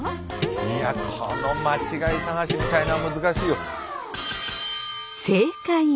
いやこの間違い探しみたいなの難しいよ。